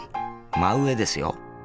真上ですよ。